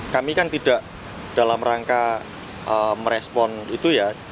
kami kan tidak dalam rangka merespon itu ya